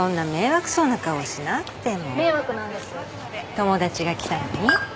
友達が来たのに？